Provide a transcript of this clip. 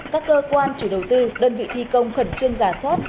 các cơ quan chủ đầu tư đơn vị thi công khẩn trương giả soát